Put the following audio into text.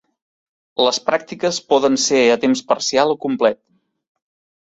Les pràctiques poden ser a temps parcial o complet.